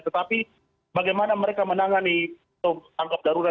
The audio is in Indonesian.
tetapi bagaimana mereka menangani tanggap darurat